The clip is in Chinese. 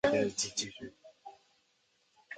此总站也是香港境内最南端的巴士终站。